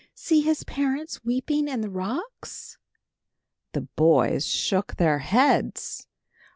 See his parents weeping in the rocks." The boys shook their heads.